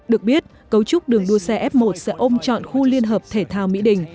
được biết cấu trúc đường đua xe f một sẽ ôm chọn khu liên hợp thể thao mỹ đình